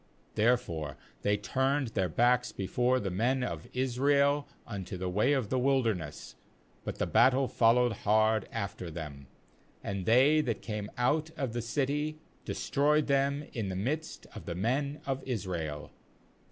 ^Therefore they turned then backs before the men of Israel unto the way of the wilderness; but the battle followed hard after them; and they that came out of the city destroyed them in the midst of the men of Israel.